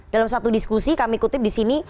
dalam satu diskusi kami kutip di sini